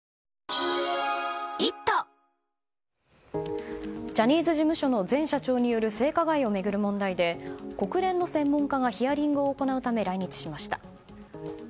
わかるぞジャニーズ事務所の前社長による性加害を巡る問題で国連の専門家がヒアリングを行うため来日しました。